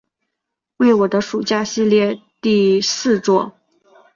为我的暑假系列第四作。